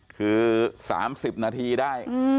คือ๓๐นาทีได้